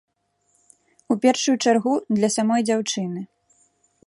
У першую чаргу, для самой дзяўчыны.